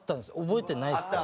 覚えてないですか？